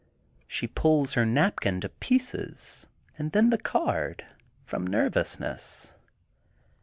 She pulls her napkin to pieces and then the card, from nervousness.